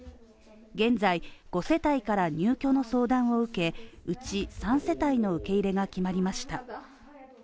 現在、５世帯から入居の相談を受けうち３世帯の受け入れが決まりました。